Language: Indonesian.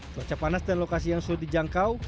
cuaca panas dan lokasi yang sulit dijangkau